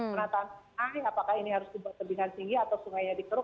penataan air apakah ini harus dibuat tebingan tinggi atau sungainya dikeruk